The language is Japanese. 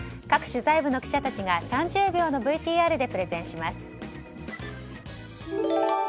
各取材部の記者たちが３０秒のＶＴＲでプレゼンします。